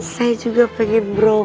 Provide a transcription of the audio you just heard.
saya juga pengen berangkat